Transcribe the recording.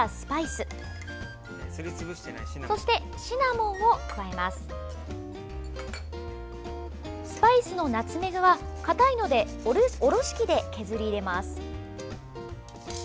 スパイスのナツメグはかたいのでおろし器で削り入れます。